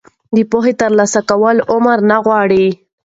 د پوهې ترلاسه کول عمر نه غواړي.